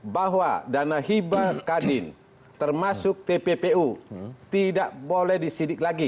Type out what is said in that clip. bahwa dana hibah kadin termasuk tppu tidak boleh disidik lagi